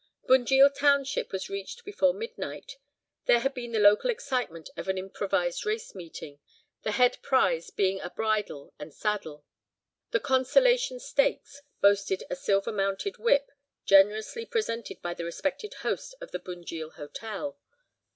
Bunjil township was reached before midnight. There had been the local excitement of an improvised race meeting, the head prize being a bridle and saddle; the Consolation Stakes boasted a silver mounted whip, generously presented by the respected host of the Bunjil Hotel.